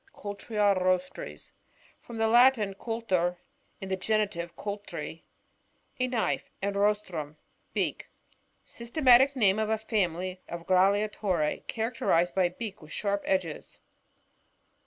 Cultrirostres. — From the Latin, culleriim the genitive, cultrU) a knif^, and rostrum, beak. Syste matic name of a family of Gral latorisp, characterised by a beak with sharp edges.